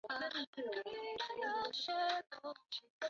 格雷芬维斯巴赫是德国黑森州的一个市镇。